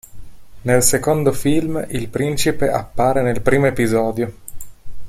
Nel secondo film il principe appare nel primo episodio.